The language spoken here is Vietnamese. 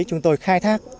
chúng tôi khai thác